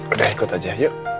udah ikut aja yuk